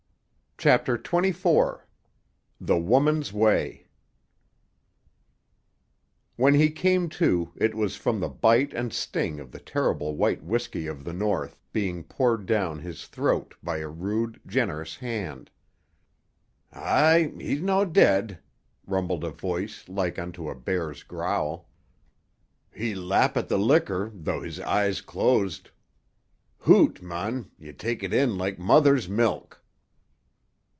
CHAPTER XXIV—THE WOMAN'S WAY When he came to, it was from the bite and sting of the terrible white whisky of the North, being poured down his throat by a rude, generous hand. "Aye; he's no' dead," rumbled a voice like unto a bear's growl. "He lappit the liquor though his eye's closed. Hoot, man! Ye take it in like mother's milk."